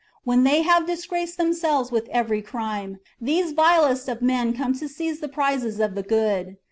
When they have disgraced themselves with evefy crime, these vilest of men come to seize the prizes of the good.